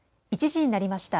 １時になりました。